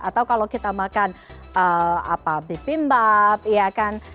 atau kalau kita makan bibimbap iya kan